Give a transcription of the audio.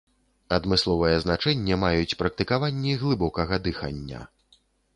Адмысловае значэнне маюць практыкаванні глыбокага дыхання.